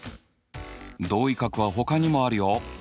同位角はほかにもあるよ。